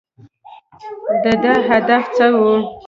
د ده هدف څه و ؟